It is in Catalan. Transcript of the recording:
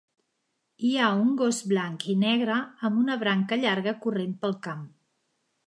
Hi ha un gos blanc i negre amb una branca llarga corrent pel camp.